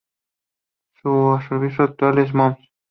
Su arzobispo actual es Mons.